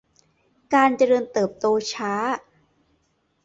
การเจริญเติบโตช้า